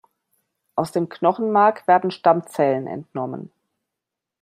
Aus dem Knochenmark werden Stammzellen entnommen.